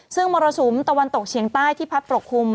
ซึ่งมรสุมตะวันตกเฉียงใต้ที่พัดปกคลุม